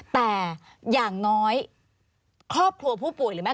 แต่อย่างน้อยครอบครัวผู้ป่วยหรือไม่